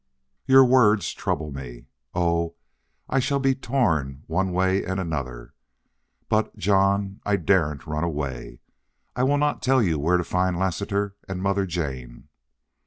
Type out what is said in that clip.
"Your words trouble me. Oh, I shall be torn one way and another.... But, John, I daren't run away. I will not tell you where to find Lassiter and Mother Jane."